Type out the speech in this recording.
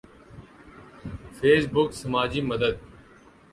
face بک سماجی مدد